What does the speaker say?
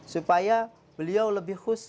supaya beliau lebih khusus